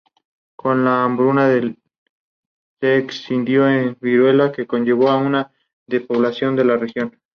La programación tomaría prioridad a los programas de entretenimiento en vez de las telenovelas.